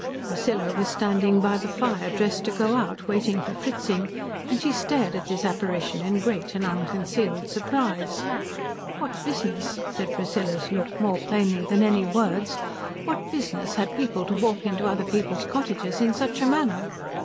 Priscilla was standing by the fire dressed to go out, waiting for Fritzing, and she stared at this apparition in great and unconcealed surprise. What business, said Priscilla's look more plainly than any words, what business had people to walk into other people's cottages in such a manner?